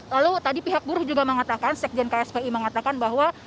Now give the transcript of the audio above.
lalu tadi pihak buruh juga mengatakan sekjen kspi mengatakan bahwa